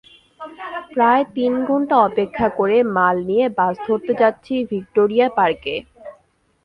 প্রায় তিন ঘণ্টা অপেক্ষা করে মাল নিয়ে বাস ধরতে যাচ্ছি ভিক্টোরিয়া পার্কে।